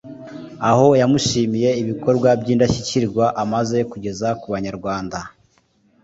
Aho yamushimiye ibikorwa by’indashyikirwa amaze kugeza ku banyarwanda